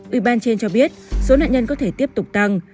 ủy ban trên cho biết số nạn nhân có thể tiếp tục tăng